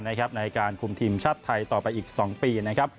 ในการคลุมทีมชะทัยต่อไปอีก๒ปี